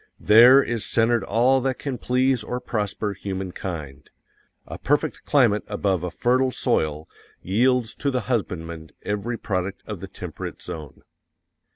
THERE IS CENTERED ALL THAT CAN PLEASE OR PROSPER HUMANKIND. A PERFECT CLIMATE ABOVE a fertile soil_ yields to the husbandman every product of the temperate zone.